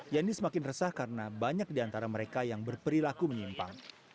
yandi semakin resah karena banyak diantara mereka yang berperilaku menyimpang